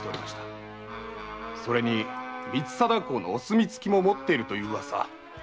それに光貞公のお墨付きも持っているという噂。